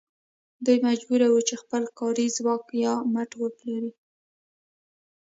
دوی مجبور وو چې خپل کاري ځواک یا مټ وپلوري